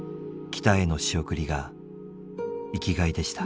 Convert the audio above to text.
北への仕送りが生きがいでした。